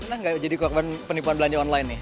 pernah nggak jadi korban penipuan belanja online nih